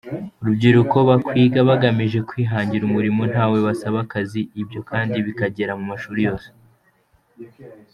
Urubyiruko bakwiga bagamije kwihangira umurimo ntawe basaba akazi, ibyo kandi bikagera mu mashuri yose.